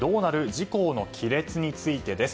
自公の亀裂についてです。